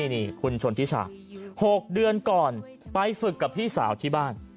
นี่คุณชนทิชา๖เดือนก่อนไปฝึกกับพี่สาวที่บ้าน